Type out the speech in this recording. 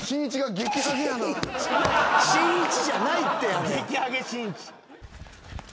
激ハゲしんいち。